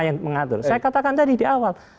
yang mengatur saya katakan tadi di awal